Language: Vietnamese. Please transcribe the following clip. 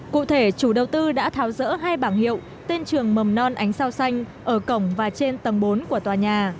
cụ thể chủ đầu tư đã tháo rỡ hai bảng hiệu tên trường mầm non ánh sao xanh ở cổng và trên tầng bốn của tòa nhà